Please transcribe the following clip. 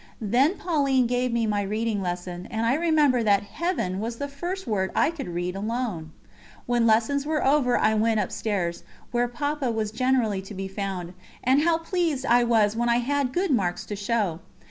Then Pauline gave me my reading lesson, and I remember that "Heaven" was the first word I could read alone. When lessons were over I went upstairs, where Papa was generally to be found, and how pleased I was when I had good marks to show.